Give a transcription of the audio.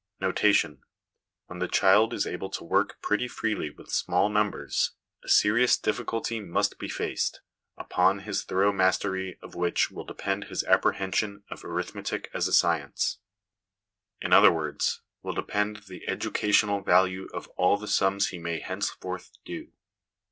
Notation. When the child is able to work pretty freely with small numbers, a serious difficulty must be faced, upon his thorough mastery of which will 17 258 HOME EDUCATION depend his apprehension of arithmetic as a science ; in other words, will depend the educational value of all the sums he may henceforth do.